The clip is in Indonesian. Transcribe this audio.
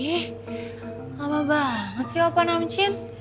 ih lama banget sih opa namcin